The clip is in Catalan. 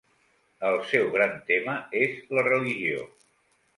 El seu gran tema és la religió.